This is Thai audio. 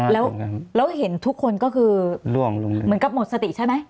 แล้วเห็นทุกคนก็คือเหมือนกับหมดสติใช่ไหม